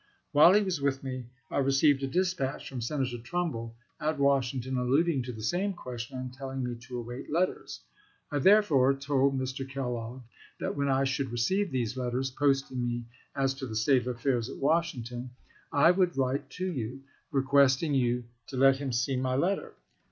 While he was with me I received a dispatch from Senator Trumbull, at Washington, alluding to the same question and telling me to await letters. I therefore told Mr. Kellogg that when I should receive these letters posting me as to the state of affairs at Washington, I would write to you, requesting you to let him see my letter.